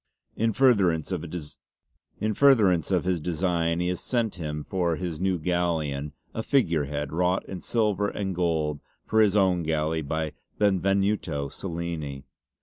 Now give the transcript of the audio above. In furtherance of his design he has sent him for his new galleon a "figurehead" wrought in silver and gold for his own galley by Benvenuto Cellini.